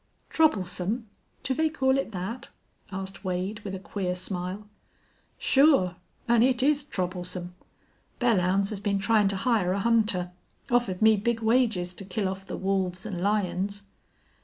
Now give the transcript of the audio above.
"Troublesome! Do they call it that?" asked Wade, with a queer smile. "Sure. An' it is troublesome. Belllounds has been tryin' to hire a hunter. Offered me big wages to kill off the wolves an' lions."